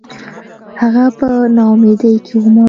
• هغه په ناامیدۍ کې ومړ.